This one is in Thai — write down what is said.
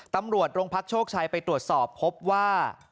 ตำรวจโรงพักโชคชัยไปตรวจสอบพบว่า